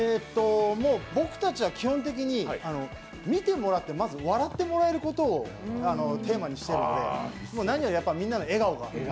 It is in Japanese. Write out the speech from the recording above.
僕たちは基本的に見てもらってまず笑ってもらうことをテーマにしているので何よりみんなの笑顔が。